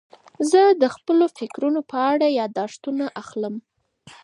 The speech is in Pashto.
زه د خپلو فکرونو په اړه یاداښتونه اخلم.